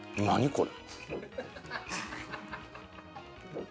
これ。